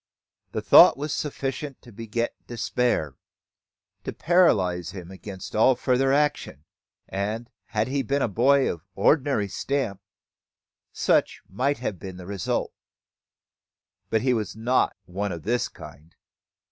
The thought was sufficient to beget despair, to paralyse him against all further action; and, had he been a boy of the ordinary stamp, such might have been the result. But he was not one of this kind.